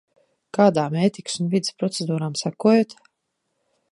Kādām ētikas un vides procedūrām sekojat?